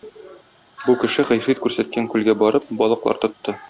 Бу кеше, Гыйфрит күрсәткән күлгә барып, балыклар тотты.